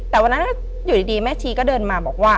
แต่วันนั้นอยู่ดีแม่ชีก็เดินมาบอกว่า